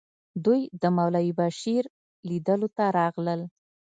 دوی د مولوي بشیر لیدلو ته راغلل.